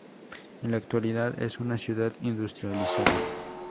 En la actualidad, es una ciudad industrializada.